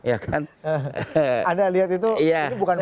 anda lihat itu bukan